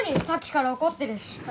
さっきから怒ってるし。